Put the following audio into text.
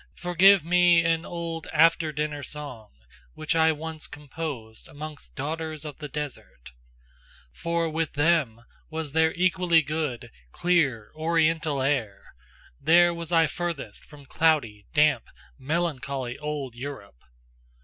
Forgive me an old after dinner song, which I once composed amongst daughters of the desert: For with them was there equally good, clear, Oriental air; there was I furthest from cloudy, damp, melancholy Old Europe!